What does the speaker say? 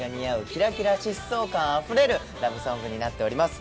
キラキラ疾走感あふれるラブソングになっております。